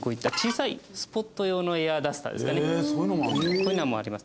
こういうのもあります。